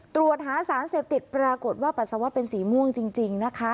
ตรวจหาสารเสพติดปรากฏว่าปัสสาวะเป็นสีม่วงจริงนะคะ